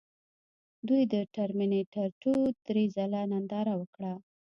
دوی د ټرمینیټر ټو درې ځله ننداره وکړه